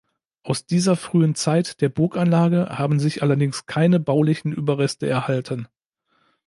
Aus dieser frühen Zeit der Burganlage haben sich allerdings keine baulichen Überreste erhalten.